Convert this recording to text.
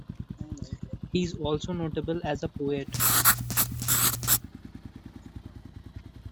He is also notable as a poet.